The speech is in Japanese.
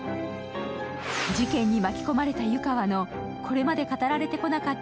事件に巻き込まれた湯川のこれまで語られてこなかった